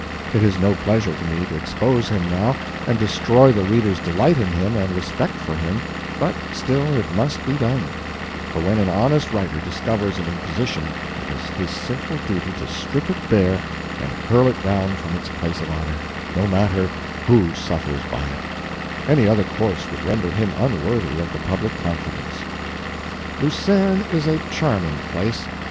It is no pleasure to me to expose him, now, and destroy the reader's delight in him and respect for him, but still it must be done, for when an honest writer discovers an imposition it is his simple duty to strip it bare and hurl it down from its place of honor, no matter who suffers by it; any other course would render him unworthy of the public confidence. Lucerne is a charming place.